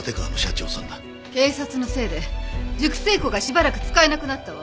警察のせいで熟成庫がしばらく使えなくなったわ。